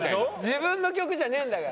自分の曲じゃねえんだから。